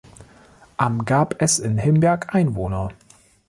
Am gab es in Himberg Einwohner.